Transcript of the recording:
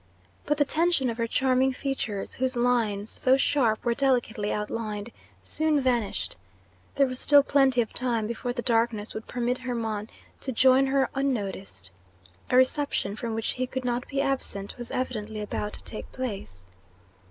But the tension of her charming features, whose lines, though sharp, were delicately outlined, soon vanished. There was still plenty of time before the darkness would permit Hermon to join her unnoticed. A reception, from which he could not be absent, was evidently about to take place.